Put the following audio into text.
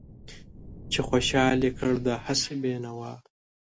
چې خوشحال يې کړ دا هسې بې نوا